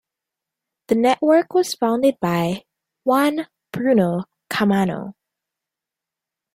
The network was founded by Juan "Bruno" Caamano.